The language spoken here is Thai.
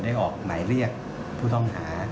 ออกหมายเรียกผู้ต้องหา